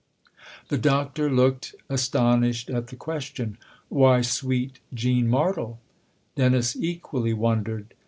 " The Doctor looked astonished at the question. "Why, sweet Jean Martle." Dennis equally wondered.